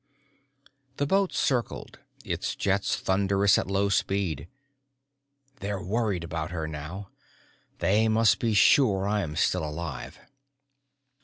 The boat circled, its jets thunderous at low speed. _They're worried about her now. They must be sure I'm still alive.